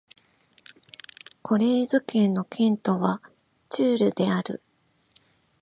コレーズ県の県都はチュールである